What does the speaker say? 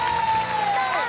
やった！